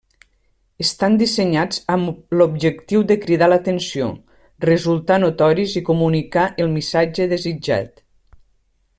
Estan dissenyats amb l'objectiu de cridar l'atenció, resultar notoris i comunicar el missatge desitjat.